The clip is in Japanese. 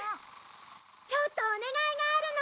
ちょっとお願いがあるの！